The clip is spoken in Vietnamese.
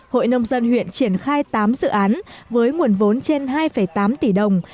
hội nông dân huyện triển khai tám dự án với nguồn vốn trên hai tám tỷ đồng